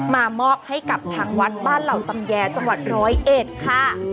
มามอบให้กับทางวัดบ้านเหล่าตำแยจังหวัดร้อยเอ็ดค่ะ